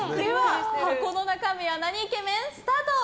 箱の中身はなにイケメン？スタート！